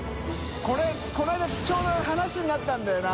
海このあいだちょうど話になったんだよな。